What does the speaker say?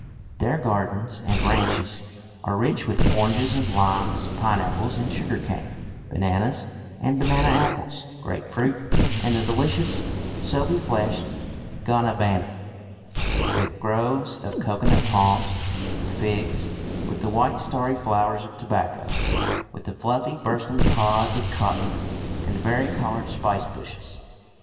There gardens and ranches are rich with oranges and limes, pineapples and sugar cane, bananas and banana apples, grape fruit and the delicious soapy fleshed guanabana, with groves of cocoanut palms, with figs, with the white starry flowers of tobacco, with the fluffy bursting pods of cotton, and vari coloured spicebushes.